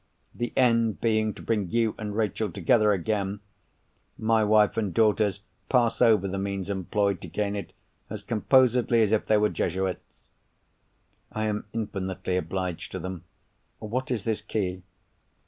The end being to bring you and Rachel together again, my wife and daughters pass over the means employed to gain it, as composedly as if they were Jesuits." "I am infinitely obliged to them. What is this key?"